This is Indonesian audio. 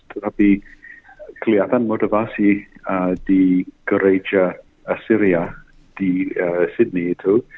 tetapi kelihatan moderasi di gereja syria di sydney itu